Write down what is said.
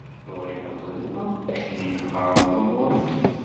Bɣiɣ ad xedmeɣ ayen i d-qqaren lumuṛ-ik.